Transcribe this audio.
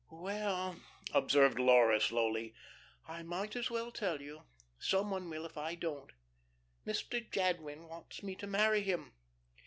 "Well," observed Laura, slowly, "I might as well tell you some one will if I don't Mr. Jadwin wants me to marry him."